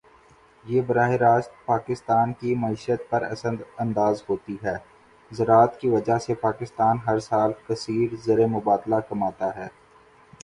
یہ براہِ راست پاکستان کی معیشت پر اثر اندازہوتی ہے۔ زراعت کی وجہ سے پاکستان ہر سال کثیر زرمبادلہ کماتا ہے.